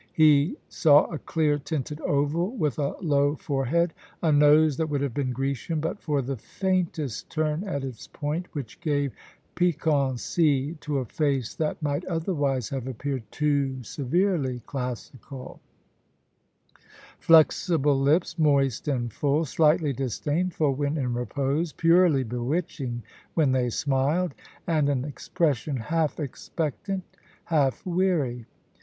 He saw a clear tinted oval, with a low fore head ; a nose that would have been Grecian but for the faintest turn at its point, which gave piquancy to a face that might otherwise have appeared too severely classical ; flexible lips, moist and full, slightly disdainful when in repose, purely bewitching when they smiled ; and an expression half expectant, half weary.